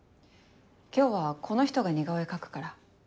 今日はこの人が似顔絵描くから。